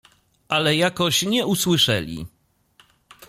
Ale jakoś nie usłyszeli.